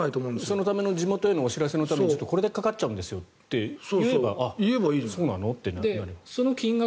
そのための地元へのお知らせのためにこれだけかかっちゃうんですって言えばその金額